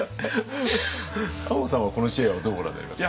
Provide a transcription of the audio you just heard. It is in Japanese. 亞門さんはこの知恵はどうご覧になりました？